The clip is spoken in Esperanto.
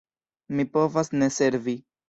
Mi povas ne servi.